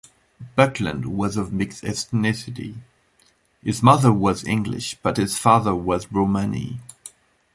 Buckland was of mixed ethnicity; his mother was English, but his father was Romani.